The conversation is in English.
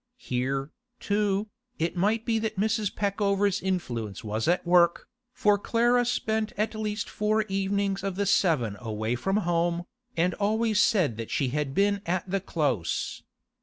Here, too, it might be that Mrs. Peckover's influence was at work, for Clara spent at least four evenings of the seven away from home, and always said she had been at the Close.